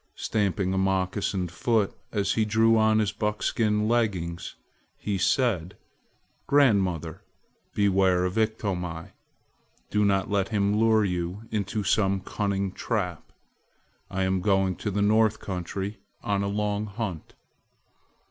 Stamping a moccasined foot as he drew on his buckskin leggins, he said: "Grandmother, beware of Iktomi! Do not let him lure you into some cunning trap. I am going to the North country on a long hunt."